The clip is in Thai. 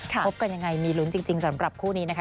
พบกันยังไงมีลุ้นจริงสำหรับคู่นี้นะคะ